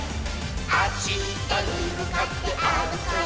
「あしたにむかってあるこうよ」